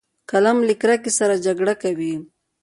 قلم له کرکې سره جګړه کوي